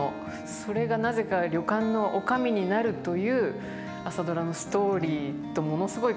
それがなぜか旅館の女将になるという「朝ドラ」のストーリーとものすごい重なりまして。